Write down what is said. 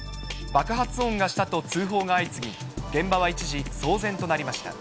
爆発音がしたと通報が相次ぎ、現場は一時、騒然となりました。